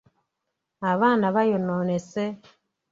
Abaana bayonoonese.